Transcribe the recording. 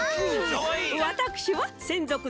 わたくしはせんぞく